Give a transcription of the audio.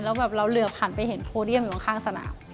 แล้วแบบเราเหลือผ่านไปเห็นโพเดียมอยู่ข้างสนาม